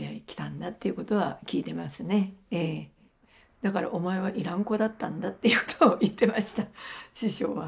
だからお前は要らん子だったんだっていうことを言ってました師匠は。